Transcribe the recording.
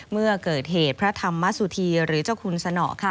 เมื่อเกิดเหตุพระธรรมสุธีหรือเจ้าคุณสนอค่ะ